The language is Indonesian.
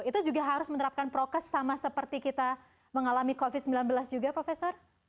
itu juga harus menerapkan prokes sama seperti kita mengalami covid sembilan belas juga profesor